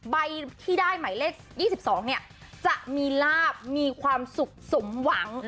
ใบที่ได้หมายเลข๒๒เนี่ยจะมีลาบมีความสุขสมหวัง